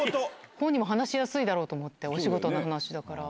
本人も話しやすいだろうと思って、お仕事の話だから。